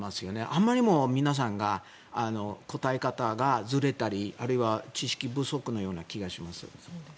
あまりにも皆さんの答え方がずれたりあるいは知識不足のような気がします。